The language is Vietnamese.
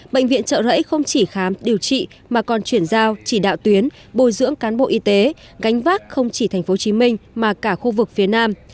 bệnh viện trợ rẫy không chỉ khám điều trị mà còn chuyển giao chỉ đạo tuyến bồi dưỡng cán bộ y tế gánh vác không chỉ tp hcm mà cả khu vực phía nam